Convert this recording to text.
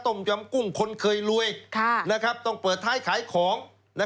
ยำกุ้งคนเคยรวยต้องเปิดท้ายขายของ